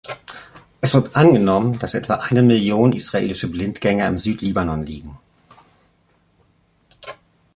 Es wird angenommen, dass etwa eine Million israelische Blindgänger im Südlibanon liegen.